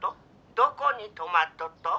☎どこに泊まっとっと？